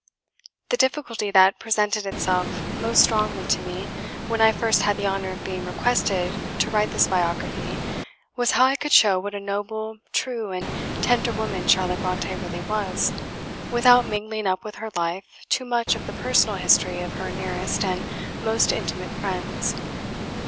The difficulty that presented itself most strongly to me, when I first had the honour of being requested to write this biography, was how I could show what a noble, true, and tender woman Charlotte Brontë really was, without mingling up with her life too much of the personal history of her nearest and most intimate friends.